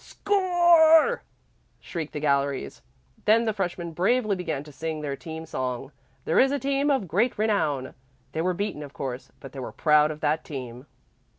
"Score!" shrieked the galleries. Then the freshmen bravely began to sing their team song, "There is a team of great renown." They were beaten, of course, but they were proud of that team.